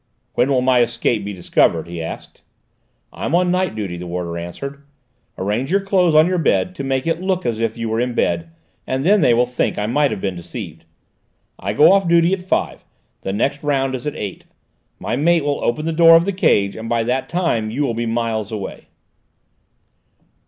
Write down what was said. "When will my escape be discovered?" he asked. "I am on night duty," the warder answered. "Arrange your clothes on your bed to make it look as if you were in bed, and then they will think I might have been deceived. I go off duty at five; the next round is at eight. My mate will open the door of the cage, and by that time you will be miles away."